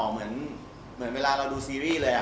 เหมือนเวลาเราดูซีรีส์เลย